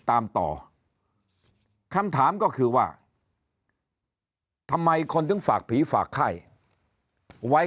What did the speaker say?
ตามต่อคำถามก็คือว่าทำไมคนถึงฝากผีฝากไข้ไว้